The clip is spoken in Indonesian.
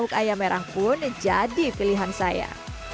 untuk ayam merah pun jadi pilihan saya